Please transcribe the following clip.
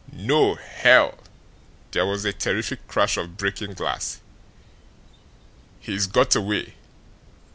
No HELL!" There was a terrific crash of breaking glass. "He's got away!"